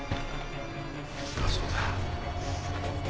あっそうだ。